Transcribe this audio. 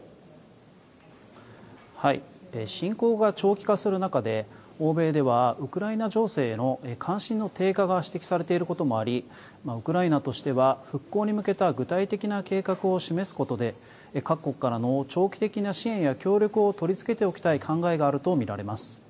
侵攻が長期化する中で欧米では、ウクライナ情勢への関心の低下が指摘されていることもありウクライナとしては復興に向けた具体的な計画を示すことで各国からの長期的な支援や協力を取り付けておきたい考えがあると見られます。